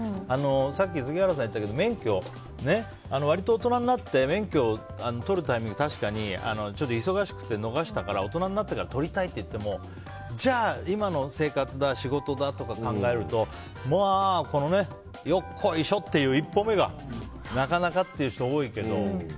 さっき杉原さんが言ってたけど割と大人になって免許を取るタイミングって確かに忙しくて逃したから大人になって取りたいっていってもじゃあ、今の生活だ仕事だとかを考えるとよっこいしょっていう一歩目がなかなかっていう人多いけど。